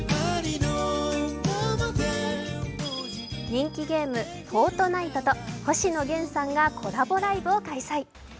人気ゲーム「フォートナイト」と星野源さんがコラボライブを開催。